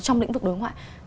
trong lĩnh vực đối ngoại